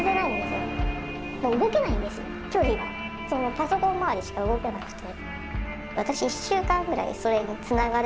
パソコン周りしか動けなくて。